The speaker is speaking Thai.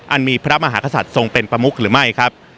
มีพระมหากษัตริย์ทรงเป็นประมุกหรือไม่ครับ